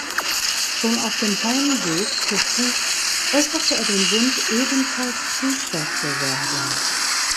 Schon auf dem Heimweg zu Fuß äußerte er den Wunsch ebenfalls Priester zu werden.